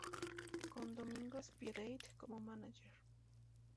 Con Domingos Piedade como manager.